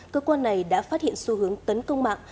cơ quan này đã phát hiện xu hướng tấn công mạng